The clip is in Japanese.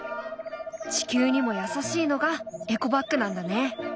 地球にもやさしいのがエコバッグなんだね。